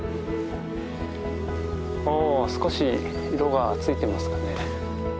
お少し色がついてますかね。